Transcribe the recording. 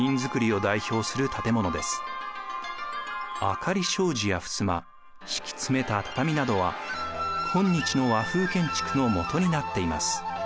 明かり障子やふすま敷き詰めた畳などは今日の和風建築のもとになっています。